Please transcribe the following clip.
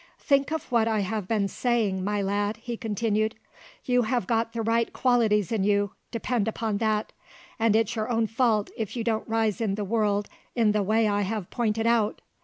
"Think of what I have been saying, my lad," he continued. "You have got the right qualities in you, depend upon that, and it's your own fault if you don't rise in the world in the way I have pointed out.